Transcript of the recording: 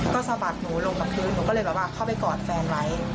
ก็สะบัดหนูลงกับพื้นหนูก็เลยแบบว่าเข้าไปกอดแฟนไว้